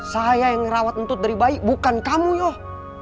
saya yang rawat entut dari bayi bukan kamu yoh